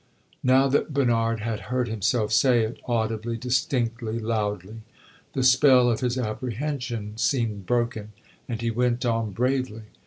Now that Bernard had heard himself say it, audibly, distinctly, loudly, the spell of his apprehension seemed broken, and he went on bravely.